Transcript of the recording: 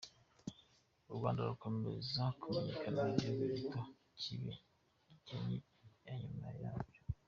U Rwanda rukomeza kumenyekana nk’igihugu gito, kibi, gikennye na nyuma yabwo.